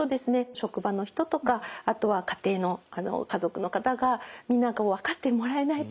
職場の人とかあとは家庭の家族の方がみんな分かってもらえないと。